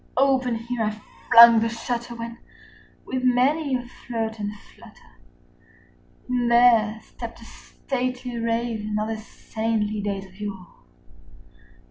Open here I flung the shutter, when, with many a flirt and flutter, In there stepped a stately Raven of the saintly days of yore.